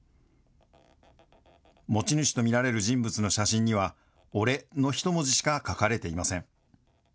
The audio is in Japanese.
持ち主と見られる人物の写真には、俺の一文字しか書かれていません。